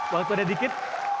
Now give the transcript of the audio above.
waktu ada dikit